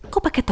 kok pake topeng